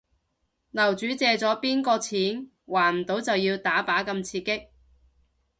樓主借咗邊個錢？還唔到就要打靶咁刺激